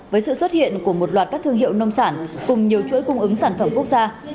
với sự xuất hiện của một loạt các thương hiệu nông sản cùng nhiều chuỗi cung ứng sản phẩm quốc gia